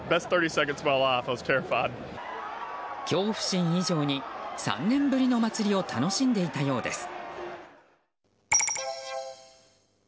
恐怖心以上に３年ぶりの祭りを楽しんでいたようです。